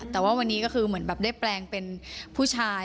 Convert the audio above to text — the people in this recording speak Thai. แต่ว่าวันนี้ก็คือเหมือนแบบได้แปลงเป็นผู้ชาย